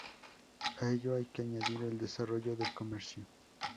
A ello hay que añadir el desarrollo del comercio.